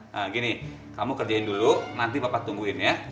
nah gini kamu kerjain dulu nanti bapak tungguin ya